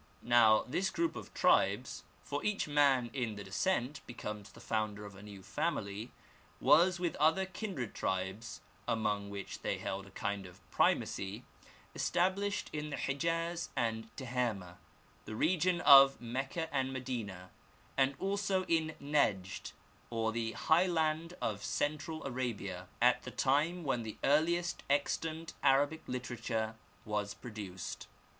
Now this group of tribes, (for each man in the descent becomes the founder of a new family,) was with other kindred tribes, among which they held a kind of primacy, established in the Hejaz and Tihameh, the region of Mecca and Medina, and also in Nejd or the high land of central Arabia, at the time when the earliest extant Arabic literature was produced.